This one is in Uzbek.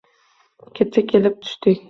Kecha kelib tushdik.